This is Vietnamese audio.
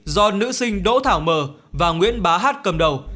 do nữ sinh đỗ thảo m và nguyễn bá h cầm đầu